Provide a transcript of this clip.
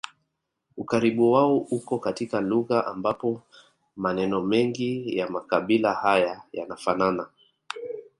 Ukaribu wao uko katika lugha ambapo maneno mengi ya makabila haya yanafanana